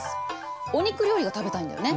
お肉料理が食べたいんだよね？